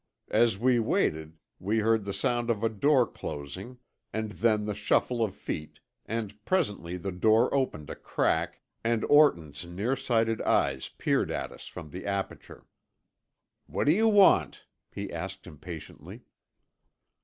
As we waited we heard the sound of a door closing, and then the shuffle of feet and presently the door opened a crack and Orton's near sighted eyes peered at us from the aperture. "What do you want?" he asked impatiently.